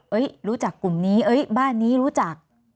รู้จักกลุ่มนี้เอ้ยบ้านนี้รู้จัก